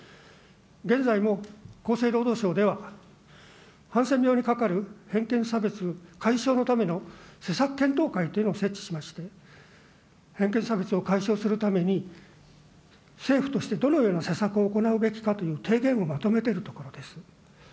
現在も厚生労働省では、ハンセン病にかかる偏見差別解消のための施策検討会というのを設置しまして、偏見差別を解消するために、政府としてどのような施策を行うべきかという提言をまとめているところです。